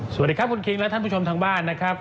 สวัสดีครับคุณคิงและท่านผู้ชมทางบ้านนะครับ